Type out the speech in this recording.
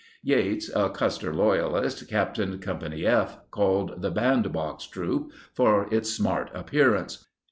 Yates, a Custer loyalist, captained Company F, called the "band box troop" for its smart appearance.